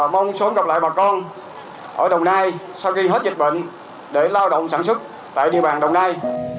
mong sớm gặp lại bà con ở đồng nai sau khi hết dịch bệnh để lao động sản xuất tại địa bàn đồng nai